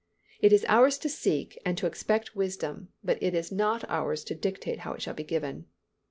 It is ours to seek and to expect wisdom but it is not ours to dictate how it shall be given.